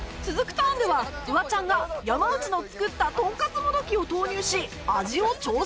ターンではフワちゃんが山内の作ったトンカツもどきを投入し味を調整